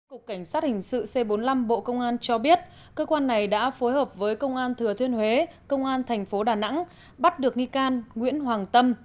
cục cảnh sát hình sự c bốn mươi năm bộ công an cho biết cơ quan này đã phối hợp với công an thừa thiên huế công an thành phố đà nẵng bắt được nghi can nguyễn hoàng tâm